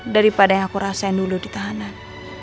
daripada yang aku rasain dulu di tahanan